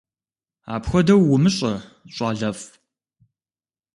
Апхуэдэу умыщӀэ, щӀалэфӀ!